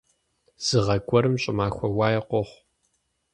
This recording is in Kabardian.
Зы гъэ гуэрым щӀымахуэ уае къохъу.